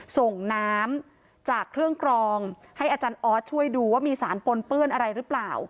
ส่งน้ำจากเครื่องกรองให้อาจารย์ออสช่วยดูว่ามีสารปนเปื้อนอะไรหรือเปล่า